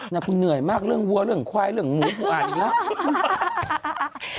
กูเหนื่อยมากเรื่องวัวเรื่องควายเรื่องหมูกูอ่านอีกแล้ว